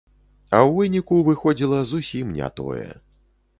А ў выніку выходзіла зусім не тое.